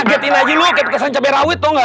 ngetin aja lu kepesan cabai rawit tunggal